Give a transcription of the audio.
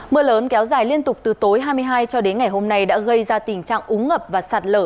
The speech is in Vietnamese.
mưa lớn kéo dài liên tục từ tối hai mươi hai cho đến ngày hôm nay đã gây ra tình trạng úng ngập và sạt lở